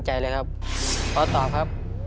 หรอ